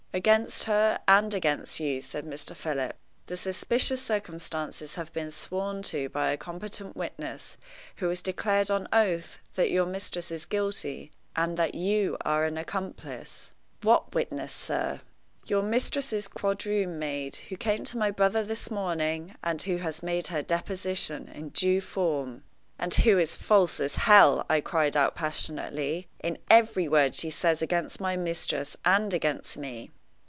"Against her and against you," said Mr. Philip. "The suspicious circumstances have been sworn to by a competent witness, who has declared on oath that your mistress is guilty, and that you are an accomplice." "What witness, sir?" "Your mistress's quadroon maid, who came to my brother this morning, and who has made her deposition in due form." "And who is as false as hell," I cried out passionately, "in every word she says against my mistress and against me."